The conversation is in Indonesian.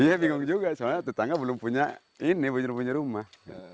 iya bingung juga soalnya tetangga belum punya rumah